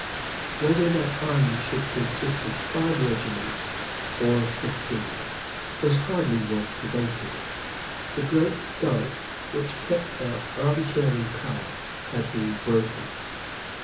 Whether that army should consist of five regiments or of fifteen was hardly worth debating. The great dyke which kept out arbitrary power had been broken.